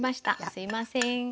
すいません。